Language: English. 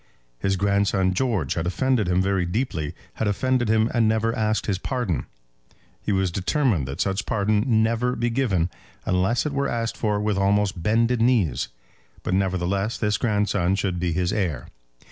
His grandson George had offended him very deeply, had offended him and never asked his pardon. He was determined that such pardon should never be given, unless it were asked for with almost bended knees; but, nevertheless, this grandson should be his heir.